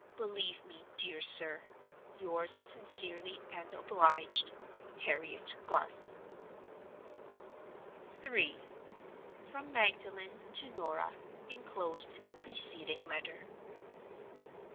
Believe me, dear sir, yours sincerely and obliged, "HARRIET GARTH." III. From Magdalen to Norah (inclosed in the preceding Letter).